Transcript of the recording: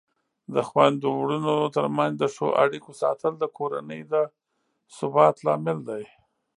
د خویندو ورونو ترمنځ د ښو اړیکو ساتل د کورنۍ د ثبات لامل دی.